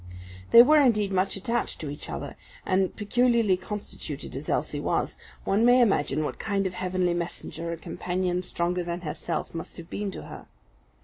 They were, indeed, much attached to each other; and, peculiarly constituted as Elsie was, one may imagine what kind of heavenly messenger a companion stronger than herself must have been to her.